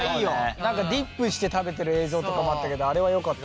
何かディップして食べてる映像とかもあったけどあれはよかった。